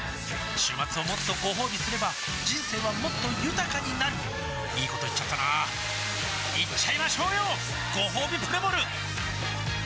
週末をもっとごほうびすれば人生はもっと豊かになるいいこと言っちゃったなーいっちゃいましょうよごほうびプレモル